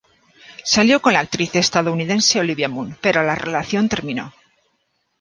Salió con la actriz estadounidense Olivia Munn, pero la relación terminó.